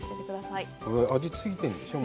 味ついているんでしょう？